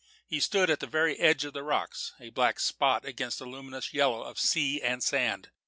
He stood on the very edge of the rocks, a black spot against the luminous yellow of sea and sand.